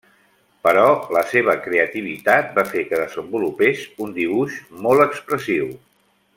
Però la seva creativitat va fer que desenvolupés un dibuix molt expressiu.